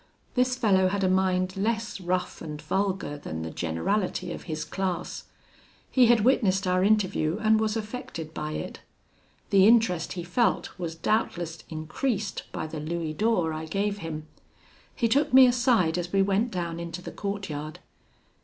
This fellow had a mind less rough and vulgar than the generality of his class. He had witnessed our interview, and was affected by it. The interest he felt was doubtless increased by the louis d'or I gave him. He took me aside as we went down into the courtyard.